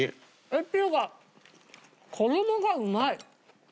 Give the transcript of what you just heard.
っていうか衣がうまい。